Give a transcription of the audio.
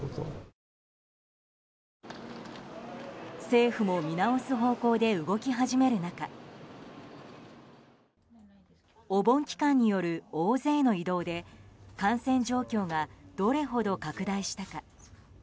政府も見直す方向で動き始める中お盆期間による大勢の移動で感染状況がどれほど拡大したか。